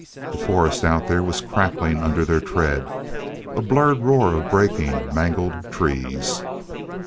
The forest out there was crackling under their tread ... a blurred roar of breaking, mangled trees....